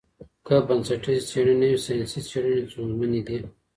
که بنسټیزي څېړني نه وي ساینسي څېړني ستونزمنې دي.